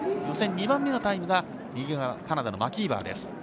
予選２番目のタイムがカナダのマキーバーです。